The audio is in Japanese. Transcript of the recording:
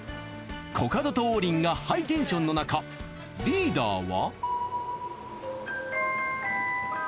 コカドと王林がハイテンションのなかリーダーは。